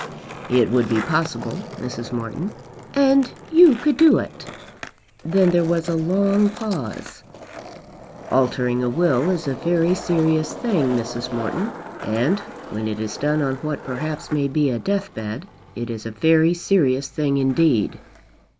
"It would be possible, Mrs. Morton." "And you could do it?" Then there was a long pause. "Altering a will is a very serious thing, Mrs. Morton. And when it is done on what perhaps may be a death bed, it is a very serious thing indeed.